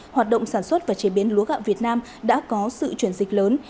hoạt động sản xuất và chế biến lúa gạo việt nam đã có sự chuyển dịch lớn